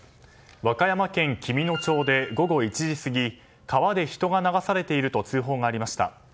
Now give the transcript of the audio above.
和歌山県紀美野町で午後１時過ぎ川で人が流されていると通報がありました。